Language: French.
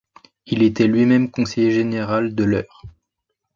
Il était lui-même conseiller général de l’Eure.